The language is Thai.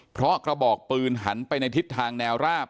เพราะกระบอกปืนหันไปในทิศทางแนวราบ